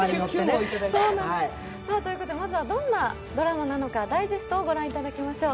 まずはどんなドラマなのかダイジェストをご覧いただきましょう。